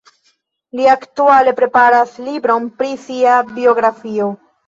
Li aktuale preparas libron pri sia biografio.